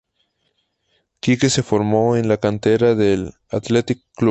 Kike se formó en la cantera del Athletic Club.